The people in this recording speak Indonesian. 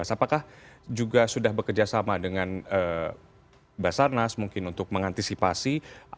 apakah juga sudah bekerjasama dengan basarnas mungkin untuk mengantisipasi